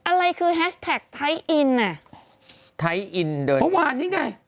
อะไรคือแฮชแท็กไทยอินเนี่ยไทยอินเพราะว่านี้ไง